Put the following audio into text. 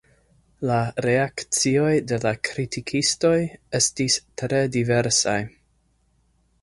La reakcioj de la kritikistoj estis tre diversaj.